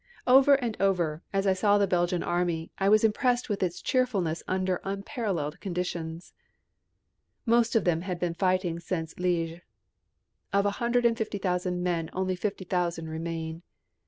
Over and over, as I saw the Belgian Army, I was impressed with its cheerfulness under unparalleled conditions. Most of them have been fighting since Liege. Of a hundred and fifty thousand men only fifty thousand remain.